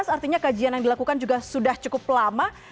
artinya kajian yang dilakukan juga sudah cukup lama